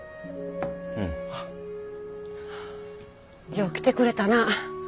よう来てくれたなぁ。